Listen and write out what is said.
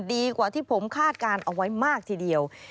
ดีกว่าที่ผมคาดการณ์เอาไว้มากทีเดียว